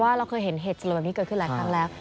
เพราะว่าเราเคยเห็นเหตุสิ่งแบบนี้เกิดขึ้นหลายครั้งแล้ว